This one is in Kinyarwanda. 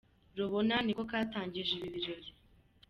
Rubona niko katangije ibi birori.